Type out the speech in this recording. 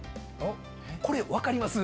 これ分かります？